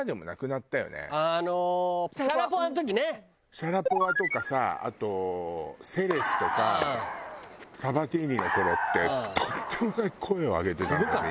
シャラポワとかさあとセレシュとかサバティーニの頃ってとんでもない声を上げてたのよみんな。